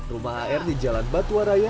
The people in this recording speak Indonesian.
rumah air di jalan batuwaraya